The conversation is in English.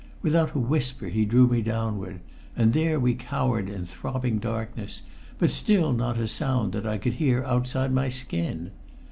Without a whisper he drew me downward, and there we cowered in throbbing darkness, but still not a sound that I could hear outside my skin.